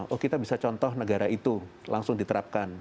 oh kita bisa contoh negara itu langsung diterapkan